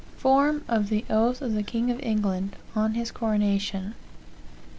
"Form of the Oath of the King of England, on his Coronation.